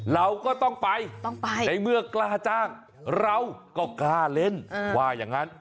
เราก็ต้องไปต้องไปในเมื่อกล้าจ้างเราก็กล้าเล่นว่าอย่างนั้น